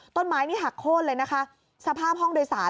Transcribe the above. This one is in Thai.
ต้นไม้นี่หักโค้นเลยนะคะสภาพห้องโดยสาร